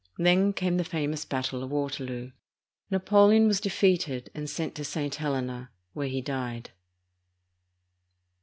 Then came the famous battle of Waterloo. Napoleon was defeated and sent to St, Helena, where he died.